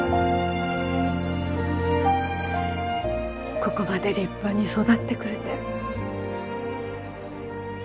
ここまで立派に育ってくれて嬉しいわ。